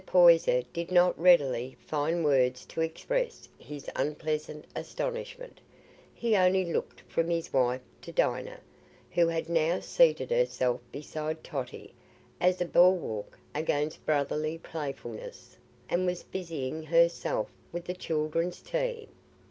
Poyser did not readily find words to express his unpleasant astonishment; he only looked from his wife to Dinah, who had now seated herself beside Totty, as a bulwark against brotherly playfulness, and was busying herself with the children's tea.